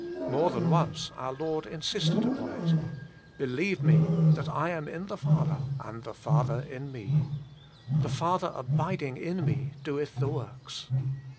More than once our Lord insisted HOLINESS AND INDWELLING. 77 upon it, ' Believe me, that I am in the Father and the Father in me ; the Father abiding in me doeth the works.'